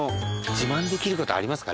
自慢できることありますか？